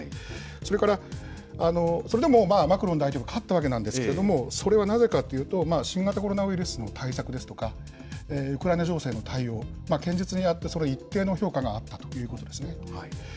それから、それでもマクロン大統領勝ったわけですけれども、それはなぜかというと、新型コロナウイルスの対策ですとか、ウクライナ情勢の対応、堅実にやって、それ、一定の評価があったということですね。